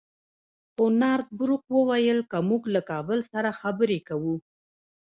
خو نارت بروک وویل که موږ له کابل سره خبرې کوو.